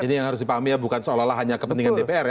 ini yang harus dipahami ya bukan seolah olah hanya kepentingan dpr ya